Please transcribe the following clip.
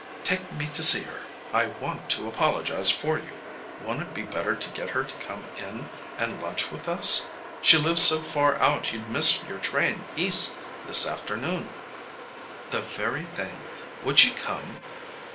Take me to see her. I want to apologize for you." "Won't it be better to get her to come in and lunch with us? She lives so far out you'd miss your train east this afternoon." "The very thing. Would she come?"